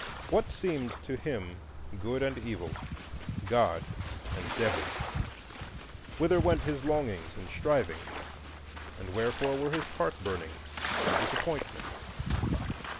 What seemed to him good and evil,—God and Devil? Whither went his longings and strivings, and wherefore were his heart burnings and disappointments?